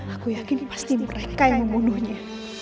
aku yakin pasti mereka yang membunuhnya